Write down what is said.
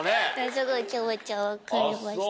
すごい気持ちは分かりました。